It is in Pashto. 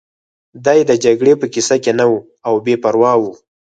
دی د جګړې په کیسه کې نه و او بې پروا و